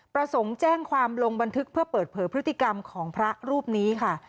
ประสงค์แจ้งความลงบันทึกเพื่อเปิดเผยพฤติกรรมของพระรูปนี้ค่ะ